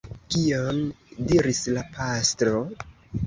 Kion diris la pastro?